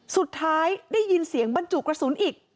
สุดท้ายได้ยินเสียงบรรจุกระสุนอีก